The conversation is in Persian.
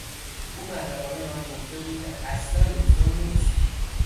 او محرمانه به من گفته بود که اصلا دکتر نیست.